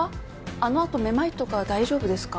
あのあとめまいとか大丈夫ですか？